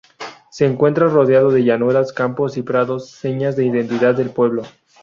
Se encuentra rodeado de llanuras, campos y prados, señas de identidad del pueblo.